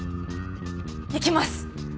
行きます！